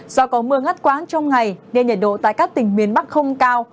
do có mưa ngắt quãng trong ngày nên nhiệt độ tại các tỉnh miền bắc không cao